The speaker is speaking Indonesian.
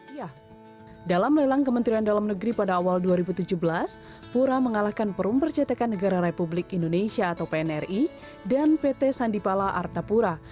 iya dalam lelang kementerian dalam negeri pada awal dua ribu tujuh belas pura mengalahkan perum percetakan negara republik indonesia atau pnri dan pt sandipala artapura